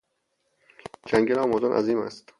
جنگل آمازون عظیم است.